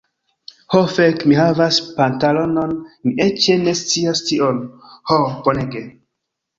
Ho, fek' mi havas pantalonon mi eĉ ne scias tion. Ho, bonege!